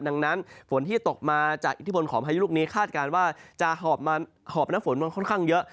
ดังนั้นฝนที่ตกมาจากอิทธิพลของพายุลูกนี้คาดการณ์ว่าจะหอบน้ำฝนมาค่อนข้างเยอะ